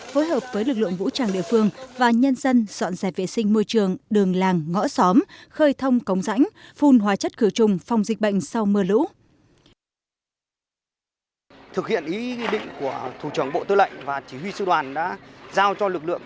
phối hợp với lực lượng vũ trang địa phương và nhân dân dọn dẹp vệ sinh môi trường đường làng ngõ xóm khơi thông cống rãnh phun hóa chất khử trùng phòng dịch bệnh sau mưa lũ